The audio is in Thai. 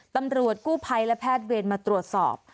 ตำรวจกู้ภัยและแพทย์เวรมาตรวจสอบ